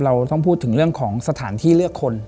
เราต้องพูดถึงเรื่องของสถานที่เลือกคน